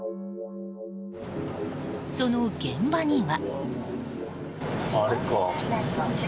その現場には。